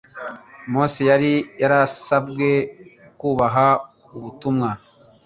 Mose yari yarasabwe kubaha ubutumwa